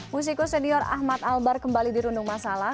musikus senior ahmad albar kembali dirundung masalah